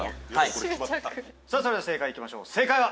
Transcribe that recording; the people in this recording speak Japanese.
それでは正解行きましょう正解は？